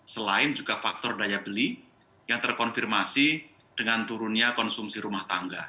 selain juga faktor daya beli yang terkonfirmasi dengan turunnya konsumsi rumah tangga